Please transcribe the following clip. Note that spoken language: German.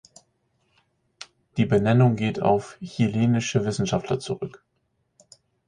Die Benennung geht auf chilenische Wissenschaftler zurück.